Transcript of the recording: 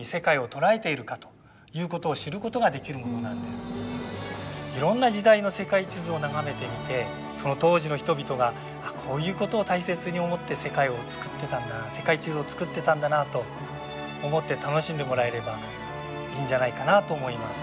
世界地図というのはいろんな時代の世界地図を眺めてみてその当時の人々がこういうことを大切に思って世界地図を作ってたんだなと思って楽しんでもらえればいいんじゃないかなと思います。